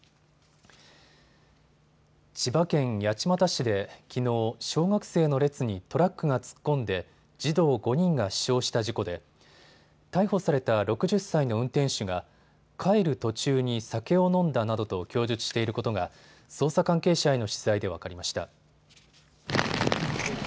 千葉県八街市できのう、小学生の列にトラックが突っ込んで児童５人が死傷した事故で逮捕された６０歳の運転手が帰る途中に酒を飲んだなどと供述していることが捜査関係者への取材で分かりました。